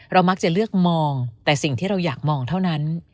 มักจะเลือกมองแต่สิ่งที่เราอยากมองเท่านั้น